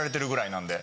なんで。